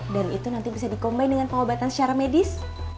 dan itu nanti bisa dikombain dengan pengobatan secara medis